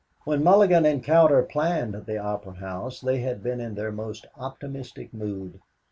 When Mulligan and Cowder planned the Opera House they had been in their most optimistic mood.